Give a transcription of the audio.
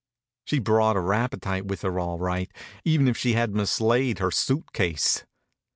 She brought her appetite with her, all right, even if she had mislaid her suit case.